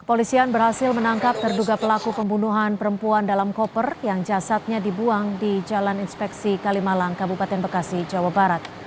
kepolisian berhasil menangkap terduga pelaku pembunuhan perempuan dalam koper yang jasadnya dibuang di jalan inspeksi kalimalang kabupaten bekasi jawa barat